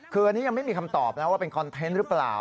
คืออันนี้ยังไม่มีคำตอบนะว่าเป็นคอนเทนต์หรือเปล่า